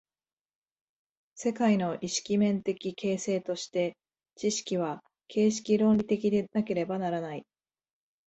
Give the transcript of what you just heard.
世界の意識面的形成として、知識は形式論理的でなければならない。